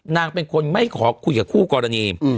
นางเป็นคนไม่ขอคุยกับคู่กรณี